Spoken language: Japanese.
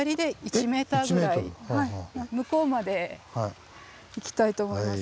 向こうまで行きたいと思います。